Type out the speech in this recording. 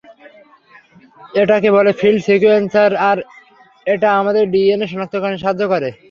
এটাকে বলে field sequencer, আর এটা আমাকে ডিএনএ সনাক্তকরণে সাহায্য করে।